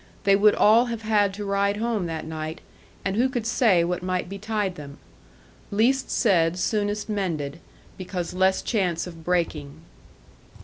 They would all have had to ride home that night, and who could say what might betide them. Least said soonest mended, because less chance of breaking.